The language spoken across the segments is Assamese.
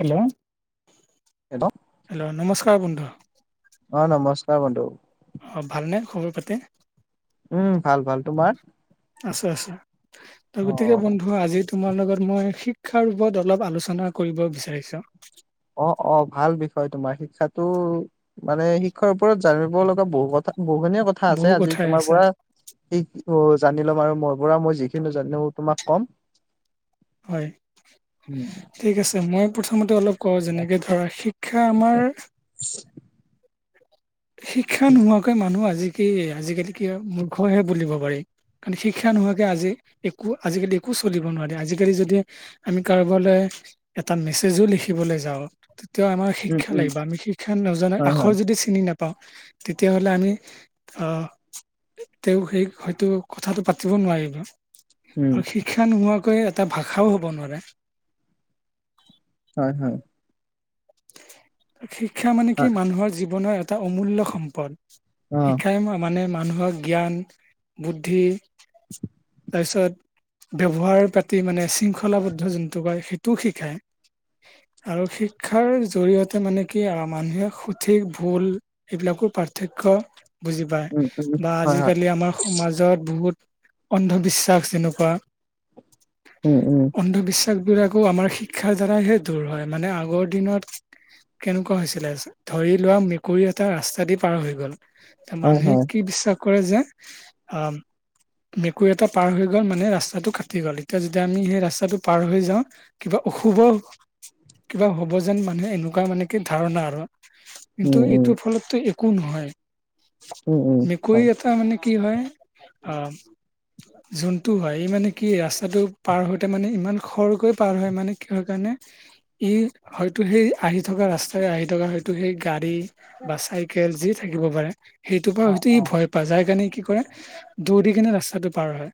হেল্ল' হেল্ল' হেল্ল' নমস্কাৰ বন্ধু [unintelligible] অ ভাল ন খবৰ পাতি উম ভাল ভাল তোমাৰ আচ্ছা আচ্ছা ত অ গতিকে বন্ধু আজি তোমাৰ লগত মই শিক্ষাৰ ওপৰত অলপ আলোচনা কৰিব বিচাৰিছো অ অ ভাল বিষয় তোমাৰ শিক্ষাো মানে শিক্ষাৰ ওপৰত জানিব লগা বহু কথা বহু দিনীয়া কথা বহু আছে আজি কথাই তোমাৰ আছে পৰা কি অ জানি ল'ম আৰু মই পৰা মই যিখিনি জানিলো তোমাক ক'ম। হয় উম ঠিক আছে মই প্ৰথমতে অলপ ক যেনেকে ধৰা শিক্ষা আমাৰ শিক্ষা নোহোৱাকৈ মানুহ আজিকালি। কি আজিকালি কি মূৰ্খহে বুলিব পাৰি কাৰণ শিক্ষা নোহোৱাকে আজি একো আজিকালি একো আজালি যদি আমি কাৰব এটা মেচজো লিখিবলৈ যাওঁ [unintelligible] আমাৰ উম শিক্ষা উম লাগিব আমি শিক্ষা নজনা হয় আখৰ হয় যদি চিনি নাপাওঁ [unintelligible] [unintelligible] তেতিয়াহলে আমি আহ [unintelligible] তেওঁ সেই হয়তো কথাটো পাতিব নোৱাৰিলোঁ। উম আৰু শিক্ষা নোহোৱাকৈ এটা ভাষাও হ'ব নোৱাৰে হয় হয় [inaudible] শিক্ষা মানে কি হয় মানুহৰ জীৱনৰ এটা এটা অমূল্য সম্পদ অ শিক্ষাই মানে মানুহক জ্ঞান বুদ্ধি তাৰপিছত- ব্যৱহাৰ পাতি মানে শৃংখলাবদ্ধ যোনটো কয় সেইটোও শিকায়। আৰু সে শিক্ষাৰ জৰিয়তে মানে কি মানুহে সঠিক ভুল এইবিলাকো পাৰ্থক্য বুজি পায় উম উম বা হয় হয় আজিকালি আমাৰ সমাজত বহুত অন্ধবিশ্বাস যেনেকুৱা উম উম। তাক বিলাকো আমাৰ শিক্ষাৰ দ্বাৰাইহে দূৰ হয় মানে আগত। দিনত, কেনেকুৱা হৈছিলে ধৰি লোৱা মেকুৰী এটা ৰাস্তা দি পাৰ হৈ গ'ল। এ হয় মানুহে হয় কি বিশ্বাস কৰে যে আহ মেকুৰী এটা পাৰ হৈ গ'ল মানে ৰাস্তাটো কাটি গ'ল এতিয়া যেতিয়া আমি সেই ৰাস্তাটো পাৰ হৈ যাওঁ কিবা অশুভ কিবা হ। বহুজন মানুহে এনেকুৱা মানে কি ধাৰণা আৰু উম কিন্তু উম এইটো ফলতটো একো নহয়। উম উম মেকুৰী হয় এটা মানে কি হয় আহ। যোনটো হয় এই মানে কি ৰাস্তাটো পাৰ হতে মানে ইমান খৰকৈ পাৰ হয় মানে কি হয় কাৰণে মানে এই হয়তো সেই আহি থকা ৰাস্তাই আহি থকা হয়তো সেই গাড়ী বা চাইকেল যি [unintelligible] থাকিব পাৰে, সেইটোৰ পৰা অ হয়তো ই অ ভয় পায় যাৰ কাৰণে কি কৰে দৌৰি কিনে ৰাস্তাটো পাৰ হয়।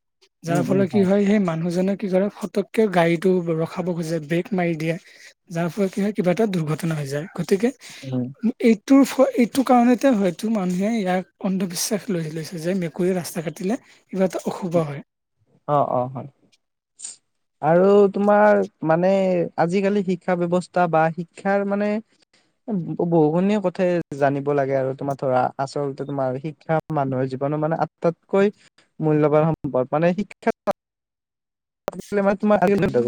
যাৰ উম উম ফলত কি হয় সেই মানুহজনে কি কৰে ফতককে গাড়ীতটো ৰখাব খুজে ব্ৰেক মাৰি দিয়ে যাৰ ফলত কি হয় কিবা এটা দুৰ্ঘটনা হৈ যায় গতিকে উম এই [unintelligible] এইটো কাৰণতে হয়তো মানুহে ইয়াক অন্ধবিশ্বাস লৈ লৈছে যে মেকুৰীয়ে ৰাস্তা কাটিলে কিবা এটা অশুভ হয় অ অ হয় আৰু তোমাৰ মানে আজিকালি শিক্ষা ব্যয়ৱস্থা বা, শিক্ষাৰ মানে। বহুখিনি কথাই জানিব লাগে আৰু তোমাৰ ধৰা আচলতে তোমাৰ শিক্ষা মানুহৰ জীৱন। মানে-মানে আটাইতকৈ মূল্যবান সম্পদ মানে শিক্ষা মান তমাৰ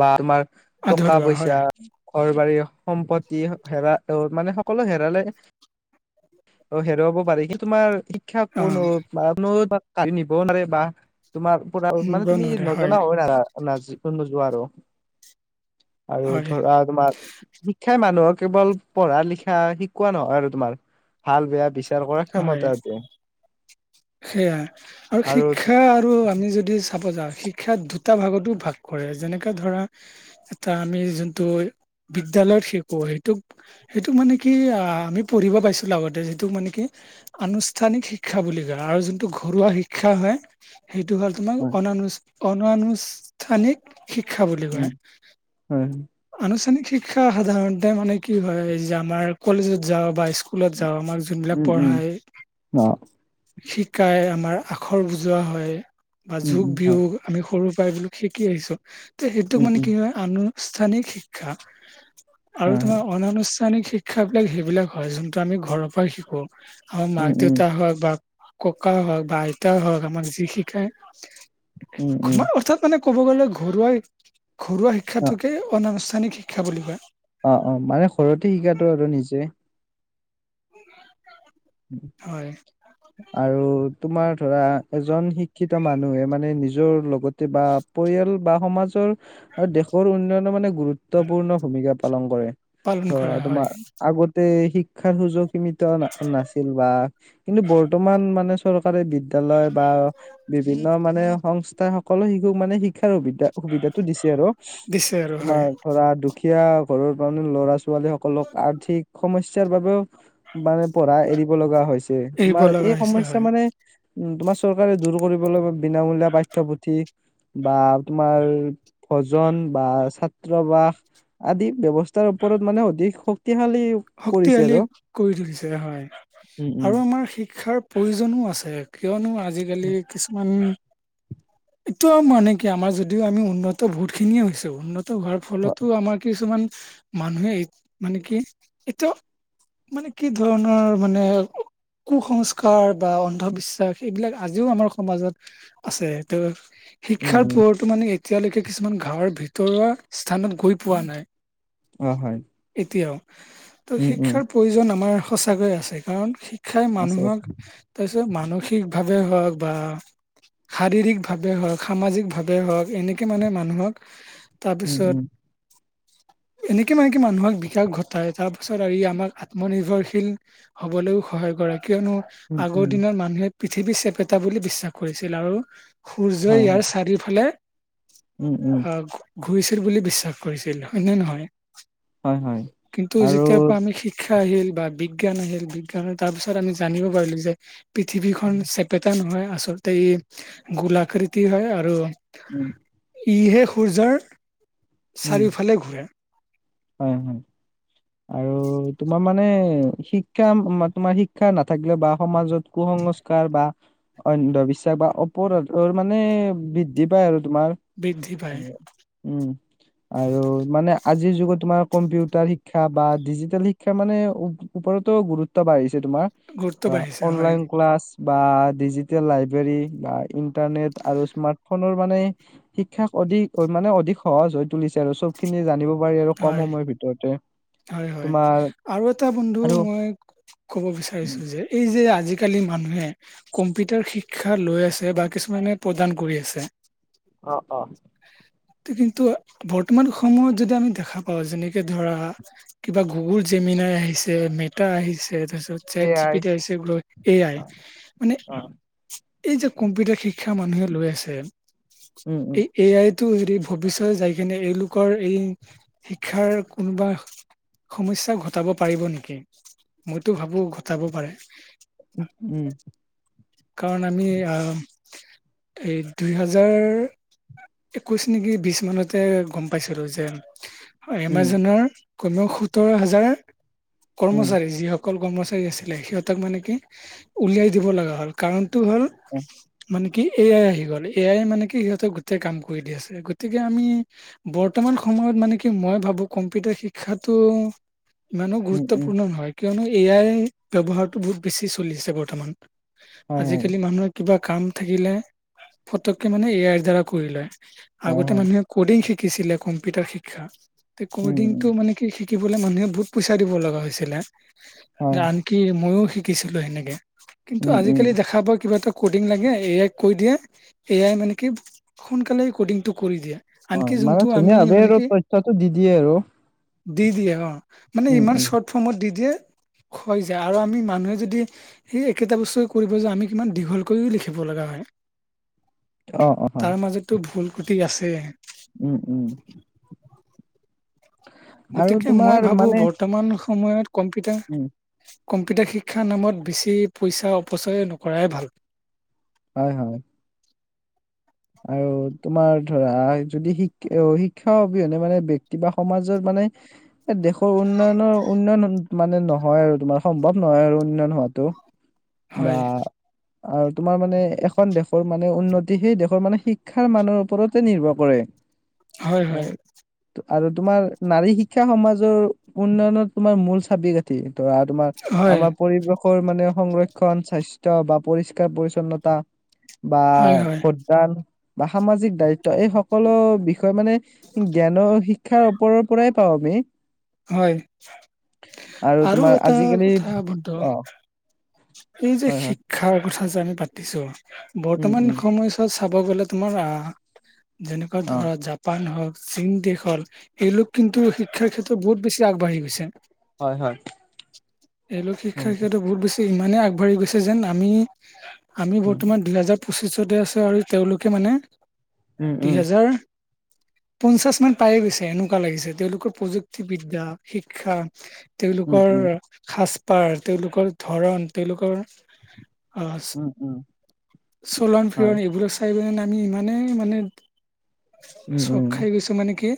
বা তোমাৰ টকা আধৰুৱা পইচা হয় ঘৰ সম্পত্তি হেৰা অঁ মানে সকলো হেৰালে অ হেৰুৱাব পাৰে কিন্তু তোমাৰ শিক্ষা অ কোনো মান নিবও নোৱাৰে বা তোমাৰ পৰা মানে নিব তুমি নোৱাৰে নজনা হয় না নাজ নোযোৱা আৰু আৰু হয় ধৰা তোমাৰ শিক্ষাই মানুহক কেৱল পঢ়া লিখা শিকোৱা নহয় আৰু তোমাৰ ভাল বেয়া বিচাৰ তেওঁলোক কৰাৰ ক্ষমতা আছে সেইয়াই আৰু শিক্ষা আৰু আমি যদি চাব যাওঁ শিক্ষাত দুটা ভাগতো ভাগ কৰে যেনেকে ধৰা এটা আমি যোনটো বিদ্যালয়ত শিকো সেইটোক সেইটোক মানে কি আমি পঢ়িব পাইছো আগতে যিটো মানে কি আনুষ্ঠানিক শিক্ষা বুলি ক [unintelligible] আৰু যোনটো ঘৰুৱা শিক্ষা হয় সেইটো হ'ল তোমাৰ হয় অনান অনুআনুষ্ঠানিক শিক্ষা বুলি কয়। উম হয় আনুষ্ঠানিক শিক্ষা সাধাৰণতে মানে কি হয় যে আমাৰ কলেজত যাওঁ বা স্কুলত যাওঁ আমাক যোনবিলাক উম উম পঢ়ায় অ শিকাই আমাৰ আখৰ বুজোৱা হয়, বা উম যোগ উম হয় বিয়োগ আমি সৰু। প্ৰায়বোৰ শিকি আহিছো যে সেইটোক উম মানে উম কি হয় আনুষ্ঠানিক শিক্ষা আৰু হয় হয় তোমাৰ অনানুষ্ঠানিক শিক্ষা বিলাক সেইবিলাক হয়, যোনটো আমি ঘৰৰ পৰা শিকো। অ উম উম মাক-দেউতা হয় বা ককা হওক বা আইতাই হওক আমাক যি উম উম শিকায়মাৰ অৰ্থাৎ মানে। ক'ব গ'লে ঘৰুৱা ঘৰুৱা শিক্ষা আনুষ্ঠানিক শিক্ষা বুলি কয়। অঁ অঁ মানে সৰুতে শিকাটো আৰু নিজে। [inaudible] হয় আৰু তোমাৰ ধৰা এজন শিক্ষিত মানুহে মানে নিজৰ লগতে বা পৰিয়াল বা সমাজৰ আৰু দেশৰ উন্নয়নৰ মানে গুৰুত্বপূৰ্ণ ভূমিকা পালন কৰে পালন ত কৰা হয়। তোমাৰ আগতে শিক্ষাৰ সুযোগ সীমিত নাছিল বা কিন্তু বৰ্তমান মানে চৰকাৰী বিদ্যালয় বা বিভিন্ন মানে। ম সংস্থাই সকলো শিশুক মানে শিক সুবিধা সুবিধাতটো দিছে আৰু দিছে আৰু হয় তোমাৰ ধৰা দুখীয়া ঘৰৰ মানে ল'ৰা ছ ছোৱালী সকলক আৰ্থিক সমস্যাৰ বাবেও মানে পৰাৰা এৰিব লগা হৈছে এৰিব তোমাৰ এই লগা হৈছে সমস্যা হয় মানে উ তোমাৰ। চৰকাৰে দূৰ কৰিবলৈ বিনামূলীয়া পাঠ্যপুথি বা তোমাৰ ভজন বা ছাত্ৰ বাস আদি ব্যৱস্থাৰ ওপৰত মানে অধিক শক্তিশালী কৰিছে শক্তিশালী আৰু কৰি তুলিছে হয়। উম আৰু উম আমাৰ শিক্ষাৰ প্ৰয়োজনো আছে কিয়নো আজিকালি কিছুমান এইটো মানে কি আমাৰ যদিও আমি উন্নত বহুত খিনিয়ে হৈছে উন্নত। হোৱাৰ হয়, ফলতো আমাৰ কিছুমান মানুহে মানে কি এটো মানে কি ধৰণৰ মানে। কুসংস্কাৰ বা অন্ধবিশ্বাস এইবিলাক আজিও আমাৰ সমাজত আছে ত উম শিক্ষাৰ উম পৰতো মানে এতিয়ালৈকে কিছুমান গাঁৱৰ ভিতৰুৱা স্থানত গৈ পোৱা নাই। অ হয়। এতিয়াও ত' উম উম শিক্ষাৰ প্ৰয়োজন আমাৰ সচাকৈয়ে আছে কাৰণ শি শিক্ষায় আছে মানুহক আছে তাৰপিছত মানসিক ভাৱে হওক বা শাৰীৰিকভাৱে হওক, সামাজিকভাৱে হওক এনেকে মানে মানুহক [unintelligible] উম তাৰপিছত উম এনেকে মানে কি মানুহক বিকাশ ঘট ত তাৰ পিছত আৰু ই আমাক আত্মনিৰ্ভৰশীল হ'বলৈও সহায় কৰা কিয়নো উম আগৰ উম দিনত মানুহে পৃথিৱীৰ চেপেটা বুলি বিশ্বাস কৰিছিল আৰু [unintelligible] সূৰ্যই হয় ইয়াৰ হয় চাৰিওফালে উম উম আহঁ ঘূৰিছিল বুলি বিশ্বাস কৰিছিল হয় নে নহয়। হয় হয়। কিন্তু আৰু যেতিয়াৰ পৰা আমি শিকা শিক্ষা আহিল বা বিজ্ঞান আহিল বিজ্ঞান তাৰ পিছত আমি জানিব পাৰিলো যে পৃথিৱীখন চেপেটা নহয় আচলতে ই গোলাকৃতি হয় আৰু উম [inaudible] ইহে সূৰ্যৰ উম চাৰিওফালে ঘূৰে। হয় হয় আৰু উ। তোমাৰ মানে শিক্ষা তোমাৰ শিক্ষা নাথাকিলেও বা সমাজত কুসংস্কাৰ বা অন্ধবিশ্বাস বা অপৰাধৰ মানে বৃদ্ধি পায় আৰু তোমাৰ বৃদ্ধি পায় উম আৰু মানে আজিৰ যুগত তোমাৰ কম্পিউটাৰ শিক্ষ শিক্ষা বা ডিজিটেল শিক্ষাৰ মানে ওপৰতো গুৰুত্ব বাঢ়িছে তোমাৰ গুৰুত্ব বাঢ়িছে হয় অনলাইন ক্লাছ বা ডিজিটেল লাইব্ৰেৰী বা ইন্টাৰনেট আৰু স্মাৰ্ট ফোনৰ মানে শিক্ষা। অধিক মানে অধিক সহজ হৈ তুলিছে আৰু চব খিনি জানিব পাৰি আৰু হয় কম সময়ৰ ভিতৰতে হয় হয়, তোমাৰ আৰু এটা বন্ধু আৰু মই কব উম, বিচাৰিছো যে এই যে আজিকালি মানুহে কম্পিউটাৰ শিক্ষা লৈ আছে বা কিছুমানে প্ৰদান কৰি আছে। অ অ। কিন্তু বৰ্তমান সময়ত যদি আমি দেখা পাওঁ, যেনেকে ধৰা কিবা গুগল যে মিনাই আহিছে, মো আহিছে, তাৰপিছ চ জি এয়াই পি আহছে এই এ আই, মানে অ এই যে কম্পিউটাৰ শিক শিক্ষা মানুহে লৈ আছে। উম উম এই এ আই ত যদি ভৱিষ্যত যাই কিনে এওঁলোকৰ এই শিক্ষাৰ কোনোবা সমস্যা ঘটাব পাৰিব নেকি, মইতো ভাবো ঘটাব পাৰে। উম কাৰণ আমি আহ এই দুই হাজাৰ একৈশ নেকি বিশ মানতে গম পাইছিলো যে, উম এমাজনৰ কমেও সোতৰ হাজাৰ কৰ্মচাৰী যিসকল কৰ্মচাৰী আছিলে, সিহঁতক মানে কি উলিয়াই দিব লগা হ'ল কাৰণটো হ'ল উম মানে কি এ আই আহি গ'ল, এ আই মানে কি সিহঁতে কাম কৰি দ আছে, গতিকে আমি বৰ্তমান সময়ত মানে কি মই ভাবো কম্পিউটাৰ শিক্ষাত ত ইমানো উম উম গুৰুত্বপূৰ্ণ নহয় কিয়নো এ আই ব্যৱহাৰতটো বহুত বেছি চলি আছে বৰ্তমান। হয় হয় আজিকালি মানুহৰ কিবা কাম থাকিলে ফতককে মানে এ আইৰ দ্বাৰা কৰি লয়। হয় আগতে হয় মানুহে কডিং শিকিছিলে, কম্পিউটাৰ শিক্ষা উম কডিং উম টো মানে কি শ শিকিবলৈ মানুহে বহুত পইচা দিব লগা হৈছিলে, হয় আনকি ময়ও শিকিছিলো সেনেকে। কিন্তু উম উম আজিকালি দেখা পোৱা কিবা এটা কডিং লাগে এ আই কৈ দিয়ে, এ আই মানে কি সোনকালে ক'ডিংটো কৰি দিয়া। হয় মানে ধুনীয়া ভ আৰু তথ্যটো দি দিয়ে আৰু। [unintelligible] দি দিয়ে অ মানে উম ইমান উম চৰ্ট ফৰ্মত দি দিয়ে হৈ যায় আৰু আমি মানুহে যদি সেই একেটা বস্তুৱে কৰিব যাওঁ, আমি কিমান দীঘল কৰিও লিখিব লগা হয়। [inaudible] অ অ। হয় তাৰ মাজতো ভুল কুটি আছে। উম উম। আৰু গতিকে মই তোমাৰ ভাবো মানে বৰ্তমান সময়ত উম কম্পিউটাৰ কম্পিউটাৰ শিক্ষাৰ নামত বেছি পইচা অপচয় নকৰাই ভাল। হয় হয়। আৰু তোমাৰ ধৰা যদি শিক শিক্ষা অবিহনে মানে ব্যক্তি বা সমাজত মানে [inaudible] এই দেশৰ উন্নয়নৰ উন্নয়ন মানে নহয় আৰু তোমাৰ সম্ভৱ নহয় আৰু উন্নয়ন হোৱাটো। হয়। বা আৰু তোমাৰ মানে এখন দেশৰ মানে উন্নতি সেই দেশ মানে শিক্ষাৰ মানৰ ওপৰতে নিৰ্ভৰ কৰে। হয় হয়। আৰু আৰু তোমাৰ নাৰী শিক্ষা সমাজৰ উন্নয়নত তোমাৰ মূল চাবি কাঠি। ধৰা তোমাৰ হয়, আমাৰ পৰিৱেশ [unintelligible] মানে সংৰক্ষণ স্বাস্থ্য বা পৰিষ্কাৰ পৰিচ্ছন্নতা বা হয়, হয়, বা সামাজিক দায়িত্ব এই সকলো বিষয়ে মানে জ্ঞানৰ শিক্ষাৰ ওপৰৰ পৰাই পাওঁ আমি [unintelligible] হয় আৰু তোমাৰ এটা আজিকালি কথা বধ অ এই যে হয় হয় শিক্ষাৰ কথা যে আমি পাতিছো উম বৰ্তমান উম সময়ছাত চাব গ'লে তোমাৰ আহ যেনেকুৱা অ ধৰা জাপান হওক, চীন দেশ হল এইলোক কিন্তু শিক্ষাৰ ক্ষেত্ৰত বহুত বেছি আগবাঢ়ি গৈছে। হয় হয় এই ল শিক্ষা উম শিক্ষাতো বহুত বেছি [unintelligible] ইমানে আগবাঢ়ি গৈছে যেন আমি আমি উম বৰ্তমান দলাজাত পচিছতে আছে আৰু তেওঁলোকে মানে উম দু উম হেজাৰ [unintelligible] পঞ্চাশ মান পায়ে গৈছে এনেকুৱা লাগিছে তেওঁলোকৰ প্ৰযুক্তিবিদ্যা, শিক্ষা উম তেওঁলোকৰ উম সাজপাৰ, তেওঁলোকৰ ধৰণ, তেওঁলোকৰ অ উম উম চলন হয় ফিৰণ এইবোৰাক চাই পিনে, আমি ইমানেই মানে উম, চখ উম, খাই গৈছো মানে কি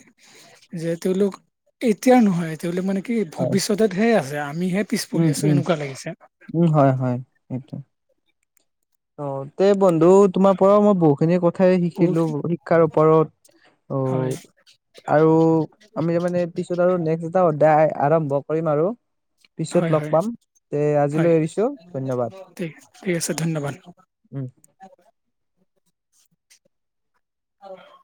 যে তেওঁলোক এতিয়া নহয়, তেওঁলোক মানে কি হয়। ভবিষ্যতে ধেই [unintelligible] আছে। আমিহে পিছ পৰি উম, আছো উম, এনেকুৱ লাগিছে। উম হয় হয় স। অ' তে বন্ধু তোমাৰ পৰাও মই বহুত খিনি কথা কঠাই বহুত শিকিলো শিক্ষাৰ ওপৰত, ঔ হয় আৰু আমি তাৰ মানে পিছত আৰু নেক্স এটা অধ্যায় আৰম্ভ কৰিম আৰু। হয় পিছত লগ হয় পাম তে হয় আজিলৈ এৰিছো ধন্যবাদ। ঠিক ঠিক আছে ধন্যবাদ উম। অ'